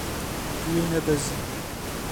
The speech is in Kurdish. Tu yê nebezî.